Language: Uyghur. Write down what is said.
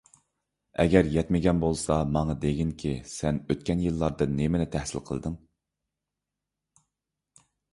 ئەگەر يەتمىگەن بولسا، ماڭا دېگىنكى سەن ئۆتكەن يىللاردا نېمىنى تەھسىل قىلدىڭ؟